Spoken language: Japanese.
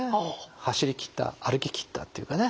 走りきった歩ききったっていうかね